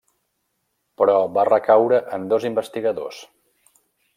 Però va recaure en dos investigadors.